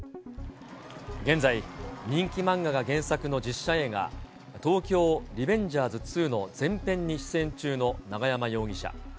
現在、人気漫画が原作の実写映画、東京リベンジャーズ２の前編に出演中の永山容疑者。